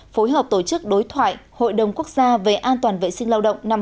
phối hợp tổ chức đối thoại hội đồng quốc gia về an toàn vệ sinh lao động năm hai nghìn hai mươi bốn